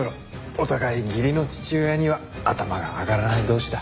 お互い義理の父親には頭が上がらない同士だ。